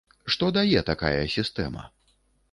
Што дае такая сістэма?